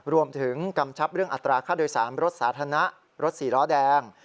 กำชับเรื่องอัตราค่าโดยสารรถสาธารณะรถสี่ล้อแดง